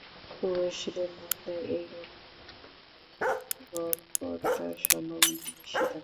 পুরুষদের মধ্যে এই রোগ নির্ণয় হওয়ার গড়পড়তা সম্ভাবনা বেশি থাকে।